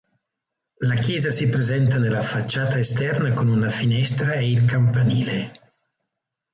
La chiesa si presenta nella facciata esterna con una finestra e il campanile.